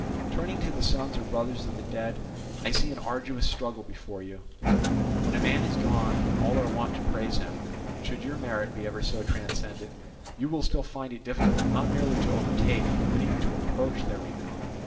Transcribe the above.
"Turning to the sons or brothers of the dead, I see an arduous struggle before you. When a man is gone, all are wont to praise him, and should your merit be ever so transcendent, you will still find it difficult not merely to overtake, but even to approach their renown.